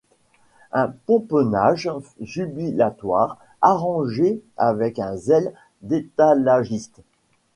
Un pomponnage jubilatoire, arrangé avec un zèle d’étalagiste.